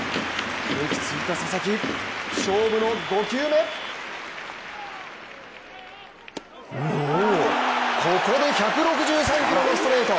一息ついた佐々木、勝負の５球目ここで１６３キロのストレート！